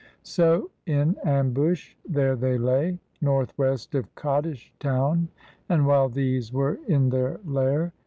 So in ambush there they lay. Northwest of Kadesh town; And while these were in their lair.